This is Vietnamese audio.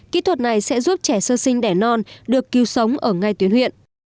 kỹ thuật này sẽ giúp trẻ sơ sinh đẻ non được cứu sống ở ngay tuyến huyện